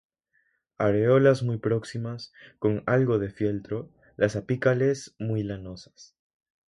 Areolas muy próximas, con algo de fieltro, las apicales muy lanosas.